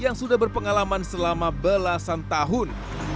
yang sudah berpengalaman selama belasan tahun